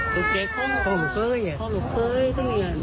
ไม่มีใครคาดคิดไงคะว่าเหตุการณ์มันจะบานปลายรุนแรงแบบนี้